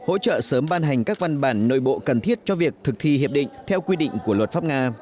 hỗ trợ sớm ban hành các văn bản nội bộ cần thiết cho việc thực thi hiệp định theo quy định của luật pháp nga